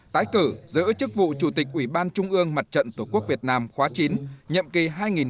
tái cử giữ chức vụ chủ tịch ủy ban trung ương mặt trận tổ quốc việt nam khóa chín nhiệm kỳ hai nghìn một mươi chín hai nghìn hai mươi bốn